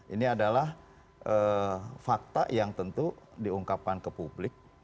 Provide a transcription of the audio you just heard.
ini adalah fakta yang tentu diungkapkan ke publik